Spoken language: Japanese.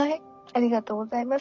ありがとうございます。